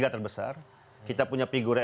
terbesar kita punya figurnya